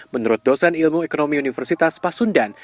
menurut dosen ilmu ekonomi universitas pasundan